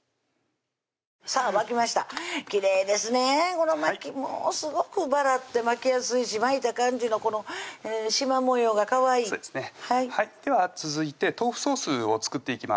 この巻きもうすごくバラって巻きやすいし巻いた感じのこのしま模様がかわいいそうですねでは続いて豆腐ソースを作っていきます